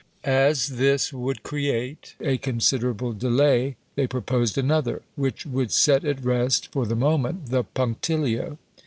As this would create a considerable delay, they proposed another, which would set at rest, for the moment, the punctilio.